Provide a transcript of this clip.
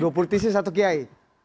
dua politisi satu kiai